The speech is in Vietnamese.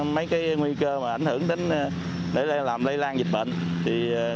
mấy nguy cơ ảnh hưởng đến làm lây lan dịch bệnh